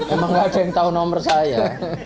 emang gak ada yang tahu nomor saya